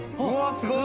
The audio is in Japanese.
すごい。